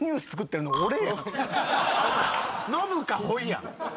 ノブかほいやん。